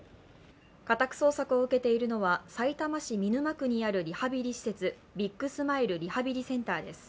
家宅捜索を受けているのはさいたま市見沼区にあるリハビリ施設、ビッグスマイルリハビリセンターです。